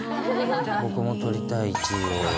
僕もとりたい、１位を。